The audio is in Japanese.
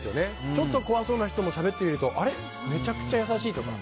ちょっと怖そうな人もしゃべってみるとめちゃくちゃ優しいとか。